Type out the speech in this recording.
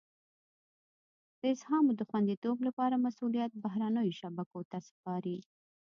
د اسهامو د خوندیتوب لپاره مسولیت بهرنیو شبکو ته سپاري.